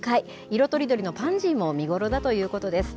色とりどりのパンジーも見頃だということです。